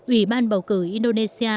ủy ban bầu cử indonesia